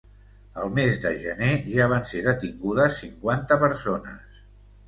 El mes de gener ja van ser detingudes cinquanta persones.